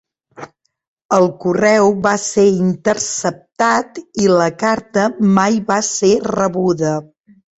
El correu va ser interceptat i la carta mai va ser rebuda.